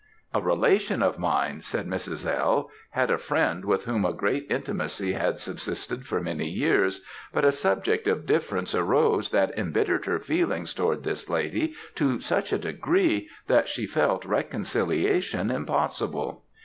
"A relation of mine," said Mrs. L., "had a friend with whom a great intimacy had subsisted for many years, but a subject of difference arose that embittered her feelings towards this lady to such a degree, that she felt reconciliation impossible.